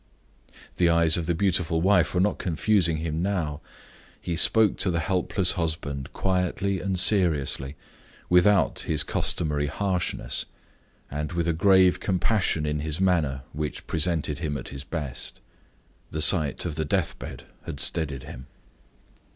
The eyes of the beautiful wife were not confusing him now. He spoke to the helpless husband quietly and seriously, without his customary harshness, and with a grave compassion in his manner which presented him at his best. The sight of the death bed had steadied him.